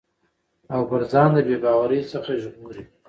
او پر ځان د بې باورٸ څخه ژغوري